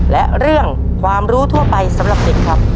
และเรื่องความรู้ทั่วไปสำหรับเด็กครับ